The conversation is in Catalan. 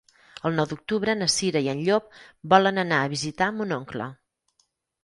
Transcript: El nou d'octubre na Cira i en Llop volen anar a visitar mon oncle.